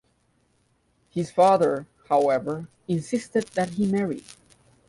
His father, however, insisted that he marry.